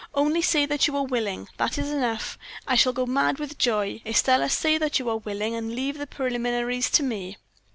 "'Only say that you are willing, that is enough. I shall go mad with joy! Estelle, say that you are willing, and leave the preliminaries to me.'